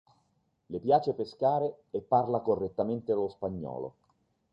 Le piace pescare e parla correttamente lo spagnolo.